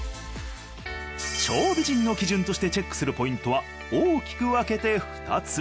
腸美人の基準としてチェックするポイントは大きく分けて２つ。